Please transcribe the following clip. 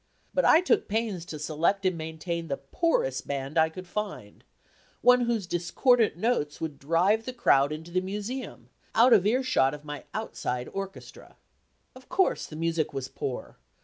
But I took pains to select and maintain the poorest band I could find one whose discordant notes would drive the crowd into the Museum, out of earshot of my outside orchestra. Of course, the music was poor.